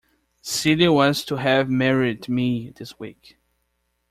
Celia was to have married me this week.